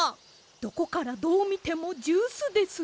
どこからどうみてもジュースです。